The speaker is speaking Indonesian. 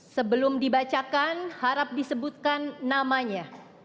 sebelum dibacakan harap disebutkan namanya